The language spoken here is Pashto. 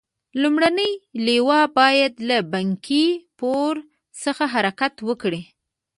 لومړنۍ لواء باید له بنکي پور څخه حرکت وکړي.